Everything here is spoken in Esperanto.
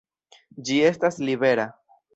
Ĝi estas libera!